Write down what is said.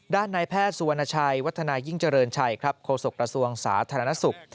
ด้านนายแพทย์สุวรรณชัยวัฒนายิ่งเจริญชัยครับโฆษกระทรวงสาธารณสุข